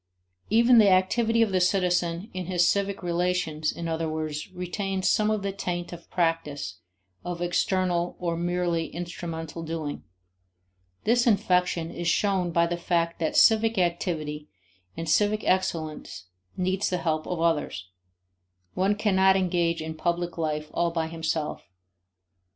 Even the activity of the citizen in his civic relations, in other words, retains some of the taint of practice, of external or merely instrumental doing. This infection is shown by the fact that civic activity and civic excellence need the help of others; one cannot engage in public life all by himself.